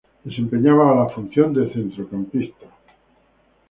Desempeñaba la función de centrocampista.